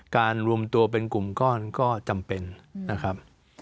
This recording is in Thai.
รวมตัวเป็นกลุ่มก้อนก็จำเป็นนะครับ